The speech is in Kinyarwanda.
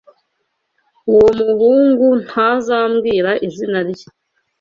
Uwo muhungu ntazambwira izina rye.